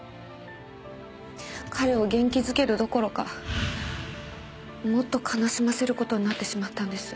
彼を元気づけるどころかもっと悲しませる事になってしまったんです。